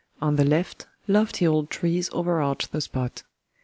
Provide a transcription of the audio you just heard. On the left, lofty old trees overarch the spot.